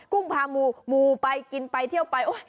กุ้งพามูมูไปกินไปเที่ยวไป